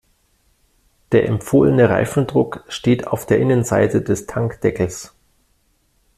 Der empfohlene Reifendruck steht auf der Innenseite des Tankdeckels.